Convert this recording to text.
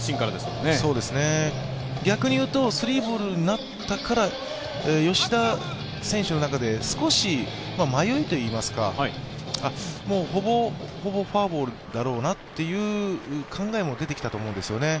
逆に言うと、スリーボールになったから、吉田選手の中で少し迷いといいますか、ほぼほぼフォアボールだろうなという考えも出てきたと思うんですよね。